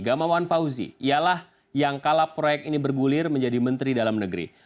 gamawan fauzi ialah yang kala proyek ini bergulir menjadi menteri dalam negeri